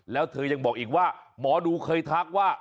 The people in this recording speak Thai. แล้วเธอยังบอกอีกว่าหมอดูเคยทักว่า